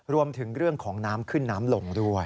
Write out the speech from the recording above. รวมถึงเรื่องของน้ำขึ้นน้ำลงด้วย